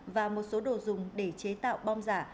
và một số đồ dùng để chế tạo bom giả